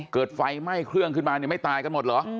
เกิดไฟไหม้เครื่องขึ้นมาเนี่ยไม่ตายกันหมดเหรอ